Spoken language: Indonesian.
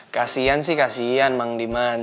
kasian sih kasihan emang diman